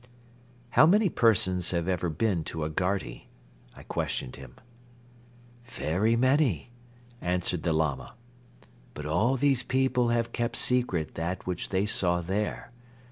"How many persons have ever been to Agharti?" I questioned him. "Very many," answered the Lama, "but all these people have kept secret that which they saw there.